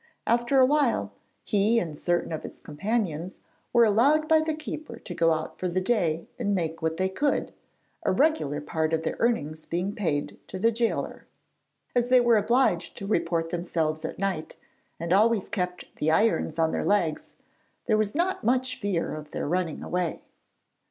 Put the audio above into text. After a while, he and certain of his companions were allowed by the keeper to go out for the day and make what they could, a regular part of their earnings being paid to the gaoler. As they were obliged to report themselves at night and always kept the irons on their legs, there was not much fear of their running away.